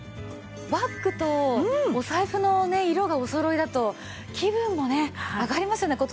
バッグとお財布のね色がおそろいだと気分もね上がりますよね